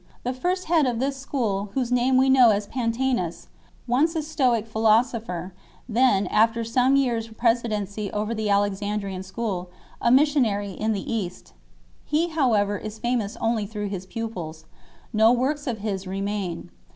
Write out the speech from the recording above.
The first head of this school whose name we know is Pantsenus, once a Stoic philosopher, then, after some years presidency over the Alexandrian School, a missionary in the East 2 . He how ever is famous only through his pupils ; no works of his remain.